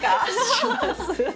します。